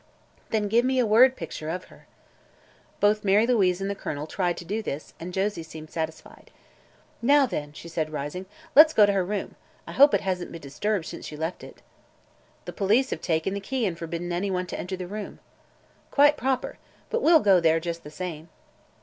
"Then give me a word picture of her." Both Mary Louise and the Colonel tried to do, this, and Josie seemed satisfied. "Now, then," she said, rising, "let's go to her room. I hope it hasn't been disturbed since she left it." "The police have taken the key and forbidden anyone to enter the room." "Quite proper. But we'll go there, just the same."